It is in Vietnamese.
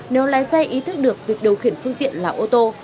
nếu lái xe ý thức được việc điều khiển phương tiện là ô tô